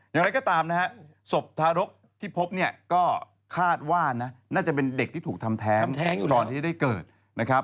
อย่างไรก็ตามนะฮะศพทารกที่พบเนี่ยก็คาดว่านะน่าจะเป็นเด็กที่ถูกทำแท้งก่อนที่จะได้เกิดนะครับ